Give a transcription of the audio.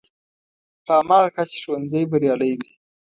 په هماغه کچه ښوونځی بریالی وي.